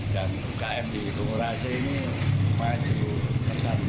dan km di bungurasi ini lumayan cukup tercantik